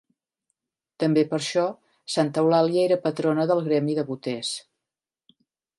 També per això, Santa Eulàlia era patrona del gremi de boters.